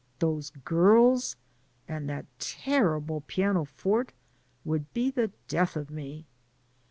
Those girls, and that terrible piano forte, would be the death of me!